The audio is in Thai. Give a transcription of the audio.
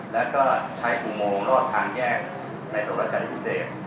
และก็ใช้ภูมิโมงลอดทางแยกในตรวจชาติพิเศษ